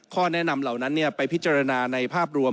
ข้อแนะนำเหล่านั้นไปพิจารณาในภาพรวม